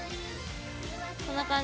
こんな感じ？